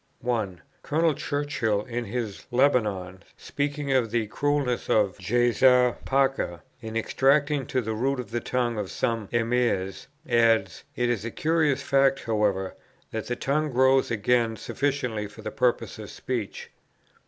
1. Col. Churchill, in his "Lebanon," speaking of the cruelties of Djezzar Pacha, in extracting to the root the tongues of some Emirs, adds, "It is a curious fact, however, that the tongues grow again sufficiently for the purposes of speech."